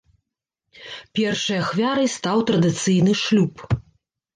Першай ахвярай стаў традыцыйны шлюб.